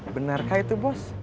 benarkah itu bos